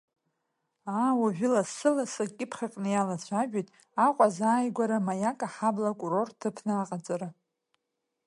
Аа, уажәы лассы-лассы акьыԥхь аҟны иалацәажәоит Аҟәа азааигәара Маиак аҳабла курорт ҭыԥны аҟаҵара.